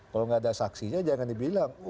kalau nggak ada saksinya jangan dibilang